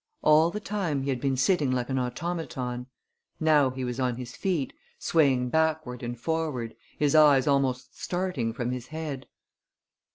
All the time he had been sitting like an automaton. Now he was on his feet, swaying backward and forward, his eyes almost starting from his head.